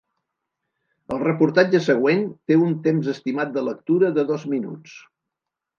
El reportatge següent té un temps estimat de lectura de dos minuts.